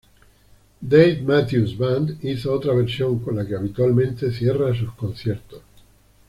Dave Matthews Band hizo otra versión, con la que habitualmente cierra sus conciertos.